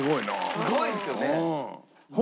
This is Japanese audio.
すごいですよね。